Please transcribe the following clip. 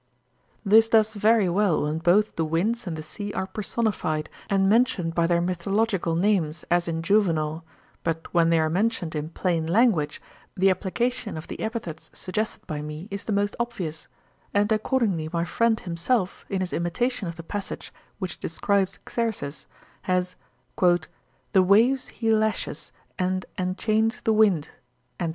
'This does very well, when both the winds and the sea are personified, and mentioned by their mythological names, as in Juvenal; but when they are mentioned in plain language, the application of the epithets suggested by me, is the most obvious; and accordingly my friend himself, in his imitation of the passage which describes Xerxes, has "The waves he lashes, and enchains the wind."'